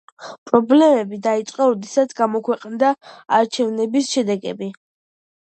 პრობლემები დაიწყო, როდესაც გამოქვეყნდა არჩევნების შედეგები.